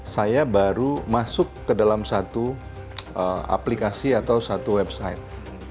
saya baru masuk ke dalam satu aplikasi atau satu website